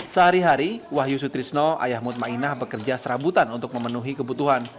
sehari hari wahyu sutrisno ayah ⁇ tmainah bekerja serabutan untuk memenuhi kebutuhan